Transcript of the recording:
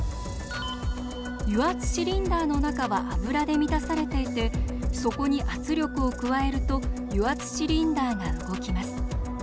油圧シリンダーの中は油で満たされていてそこに圧力を加えると油圧シリンダーが動きます。